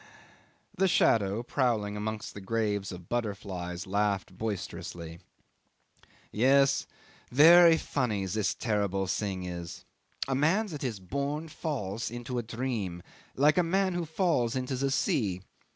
'The shadow prowling amongst the graves of butterflies laughed boisterously. '"Yes! Very funny this terrible thing is. A man that is born falls into a dream like a man who falls into the sea.